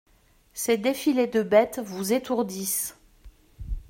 Ces défilés de bêtes vous étourdissent.